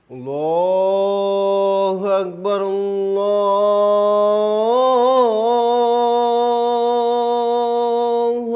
allah akbar allah